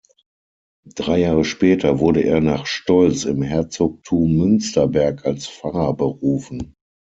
Drei Jahre später wurde er nach Stoltz im Herzogtum Münsterberg als Pfarrer berufen.